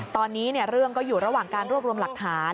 ตอนนี้เรื่องก็อยู่ระหว่างการรวบรวมหลักฐาน